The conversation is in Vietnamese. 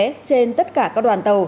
trên tất cả các đoàn tàu